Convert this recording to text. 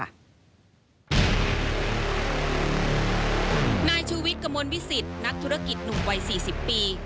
นายชูวิทย์กระมวลวิสิตนักธุรกิจหนุ่มวัย๔๐ปี